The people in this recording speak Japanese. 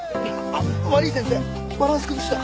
悪い先生バランス崩した。